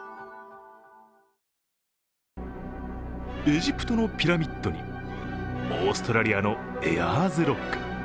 エジプトのピラミッドにオーストラリアのエアーズロック。